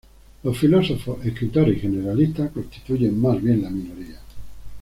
Los filósofos, escritores y generalistas constituyen más bien la minoría.